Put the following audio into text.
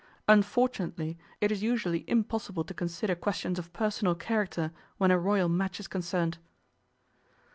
Unfortunately it is usually impossible to consider questions of personal character when a royal match is concerned.